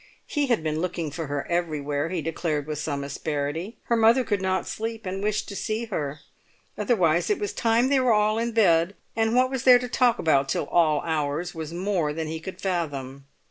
He had been looking for her everywhere, he declared with some asperity. Her mother could not sleep, and wished to see her; otherwise it was time they were all in bed, and what there was to talk about till all hours was more than he could fathom.